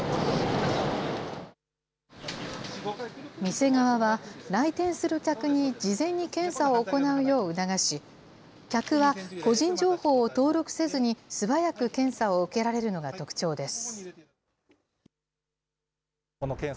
店側は、来店する客に事前に検査を行うよう促し、客は個人情報を登録せずに、素早く検査を受けられるのが特徴です。